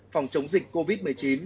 phòng chống dịch covid một mươi chín